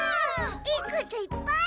いいこといっぱい！